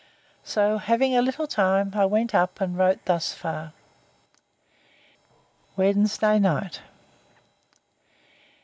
So having a little time, I went up, and wrote thus far. Wednesday night.